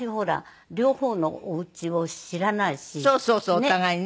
お互いにね。